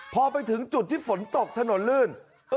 พอไปถึงจุดที่ฝนตกถนนลื่น